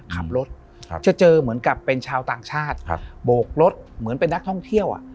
ขับรถจะเจอเหมือนกับเป็นชาวต่างชาติครับโบกรถเหมือนเป็นนักท่องเที่ยวอ่ะ